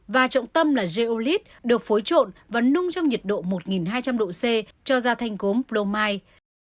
và trọng tâm là geolit được phối trộn và nung trong nhiệt độ một nghìn hai trăm linh độ c cho ra thanh cốm plomai